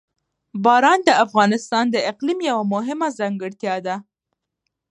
باران د افغانستان د اقلیم یوه مهمه ځانګړتیا ده.